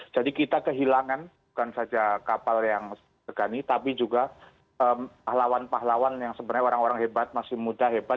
jadi kita kehilangan bukan saja kapal yang segani tapi juga pahlawan pahlawan yang sebenarnya orang orang hebat masih muda hebat